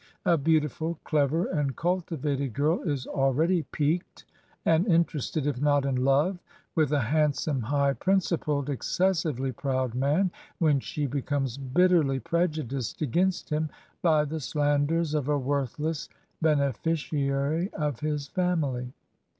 A beauti ful, clever, and cultivated girl is already piqued and in terested if not in love with a handsome, high principled, excessively proud man, whe n she becomes bitterly prejudiced again st him by t£e slanders of a worthless! bene ficiary of h is_family.